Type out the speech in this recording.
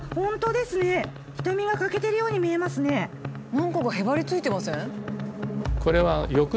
何かがへばりついてません？